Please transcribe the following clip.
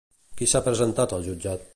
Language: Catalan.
Qui s'ha presentat al jutjat?